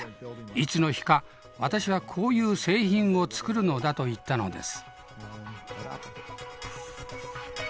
いつの日か私はこういう製品を作るのだ」と言ったのです。